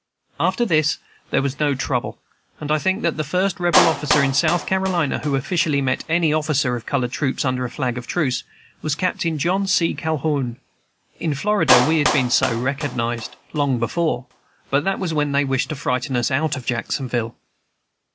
After this there was no trouble, and I think that the first Rebel officer in South Carolina who officially met any officer of colored troops under a flag of truce was Captain John C. Calhoun. In Florida we had been so recognized long before; but that was when they wished to frighten us out of Jacksonville.